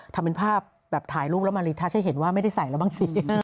ทำเป็นภาพแบบถ่ายรูปแล้วมารีทัศน์ให้เห็นว่าไม่ได้ใส่แล้วบ้างสิ